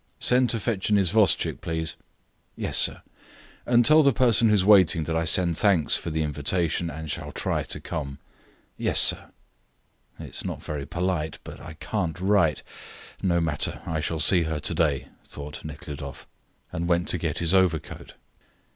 "Send to fetch an isvostchik, please." "Yes, sir." "And tell the person who is waiting that I send thanks for the invitation, and shall try to come." "Yes, sir." "It is not very polite, but I can't write; no matter, I shall see her today," thought Nekhludoff, and went to get his overcoat.